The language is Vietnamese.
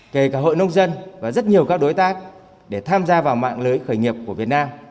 kể cả hội nông dân và rất nhiều các đối tác để tham gia vào mạng lưới khởi nghiệp của việt nam